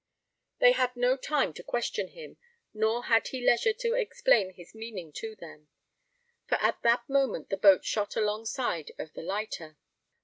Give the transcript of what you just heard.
They had no time to question him, nor had he leisure to explain his meaning to them; for at that moment the boat shot alongside of the lighter.